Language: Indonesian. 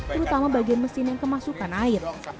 terutama bagian mesin yang kemasukan air